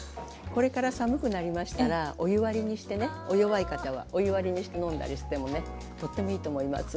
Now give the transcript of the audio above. これから寒くなりましたらお湯割りにしてねお弱い方はお湯割りにして飲んだりしてもねとってもいいと思います。